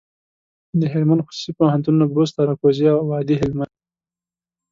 دهلمند خصوصي پوهنتونونه، بُست، اراکوزیا او وادي هلمند.